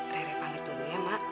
rere pamit dulu ya mak